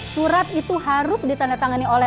surat itu harus ditandatangani oleh